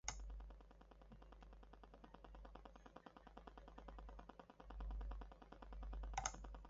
A campaign of support was started in the Parliament of Austria-Hungary.